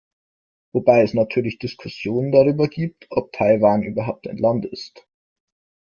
Wobei es natürlich Diskussionen darüber gibt, ob Taiwan überhaupt ein Land ist.